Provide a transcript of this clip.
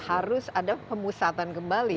harus ada pemusatan kembali